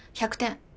１００点。